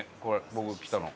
僕、来たの。